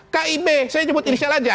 kib saya nyebut inisial aja